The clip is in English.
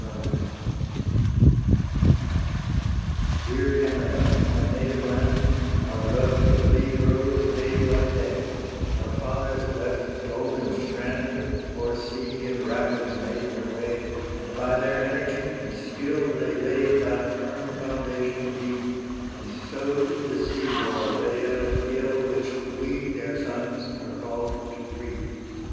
CANADA Dear Canada, our native land, Our love for thee grows day by day; Our fathers left the olden strand, O'er sea and rapids made their way, And by their energy and skill They laid thy firm foundation deep, And sowed the seed o'er vale and hill Which we, their sons, are called to reap.